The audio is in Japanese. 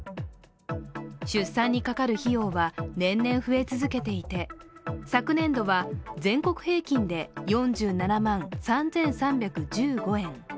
出産にかかる費用は年々増え続けていて昨年度は全国平均で４７万３３１５円。